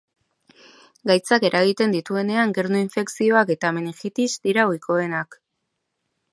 Gaitzak eragiten dituenean gernu-infekzioak eta meningitis dira ohikoenak.